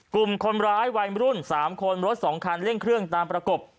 กลุ่มคนร้ายวัยมรุ่น๓คนรถ๒คันเร่งเครื่องตามประกบ